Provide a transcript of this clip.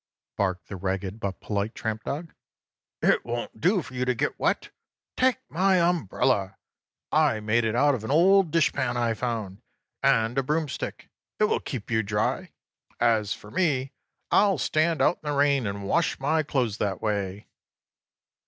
barked the ragged but polite tramp dog. "It won't do for you to get wet. Take my umbrella! I made it out of an old dishpan I found, and a broom stick. It will keep you dry. As for me, I'll stand out in the rain, and wash my clothes that way."